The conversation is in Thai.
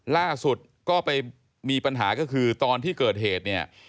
ล่าสุดก็ไปมีปัญหาก็คือตอนที่เกิดเหตุเนี่ย